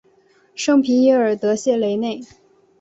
圣皮耶尔德谢雷内。